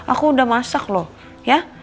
aku udah masak loh ya